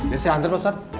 ya saya hantar pak ustadz